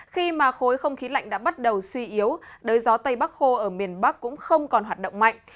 khi mà khối không khí lạnh đã bắt đầu suy yếu đới gió tây bắc khô ở miền bắc cũng không còn hoạt động mạnh